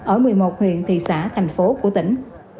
ở một mươi một huyện thị xã thành phố của tỉnh